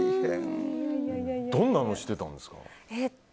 どんなのしてたんですか？